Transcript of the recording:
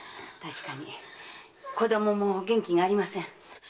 確かに子供も元気がありません。